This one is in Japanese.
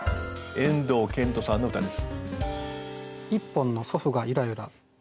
後藤啓輔さんの歌です。